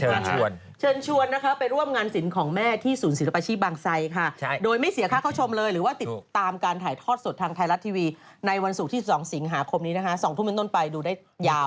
เชิญชวนนะคะไปร่วมงานศิลป์ของแม่ที่ศูนย์ศิลปาชีพบางไซค่ะโดยไม่เสียค่าเข้าชมเลยหรือว่าติดตามการถ่ายทอดสดทางไทยรัฐทีวีในวันศุกร์ที่๑๒สิงหาคมนี้นะคะ๒ทุ่มเป็นต้นไปดูได้ยาว